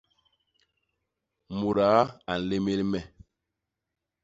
Mudaa a nlémél me.